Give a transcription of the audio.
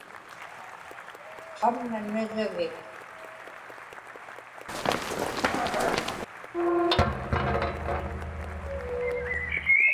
qamna niġġivik